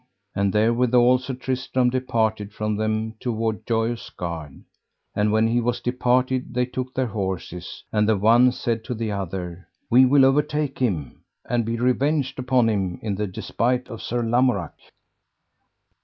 And therewithal Sir Tristram departed from them toward Joyous Gard. And when he was departed they took their horses, and the one said to the other: We will overtake him and be revenged upon him in the despite of Sir Lamorak.